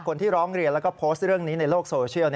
คนที่ร้องเรียนแล้วก็โพสต์เรื่องนี้ในโลกโซเชียล